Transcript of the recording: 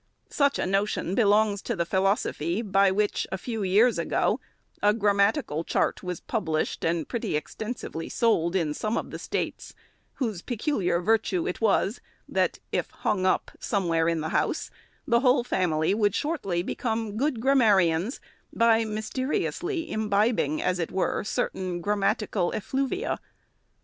Such a SECOND ANNUAL REPORT. 517 notion belongs to the philosophy by which, a few years ago, a grammatical chart was published and pretty exten sively sold in some of the States, whose peculiar virtue it was, that, if hung up somewhere in a house, the whole family would shortly become good grammarians, by mys teriously imbibing, as it were, certain grammatical efflu via.